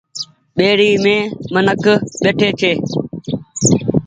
ٻيڙي مين منک ٻيٺي ڇي۔